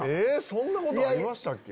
そんなことありましたっけ？